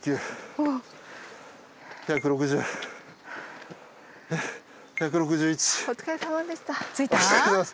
お疲れさまです。